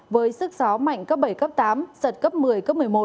với sức gió mạnh cấp bảy cấp tám giật cấp một mươi cấp một mươi một